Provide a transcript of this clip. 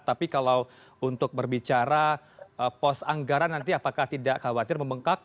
tapi kalau untuk berbicara pos anggaran nanti apakah tidak khawatir membengkak